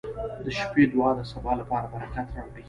• د شپې دعا د سبا لپاره برکت راوړي.